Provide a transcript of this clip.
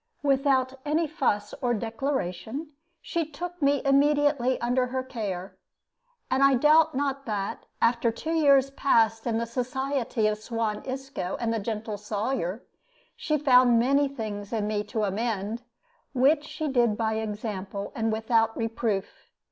Without any fuss or declaration, she took me immediately under her care; and I doubt not that, after two years passed in the society of Suan Isco and the gentle Sawyer, she found many things in me to amend, which she did by example and without reproof.